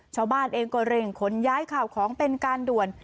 ชาวบ้านเองก็เร่งขนย้ายข่าวของเป็นการด่วน